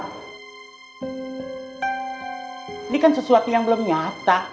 ini kan sesuatu yang belum nyata